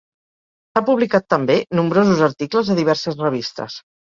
Ha publicat també nombrosos articles a diverses revistes.